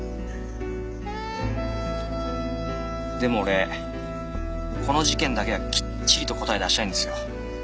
でも俺この事件だけはきっちりと答え出したいんですよ。